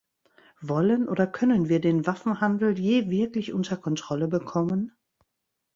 Wollen oder können wir den Waffenhandel je wirklich unter Kontrolle bekommen?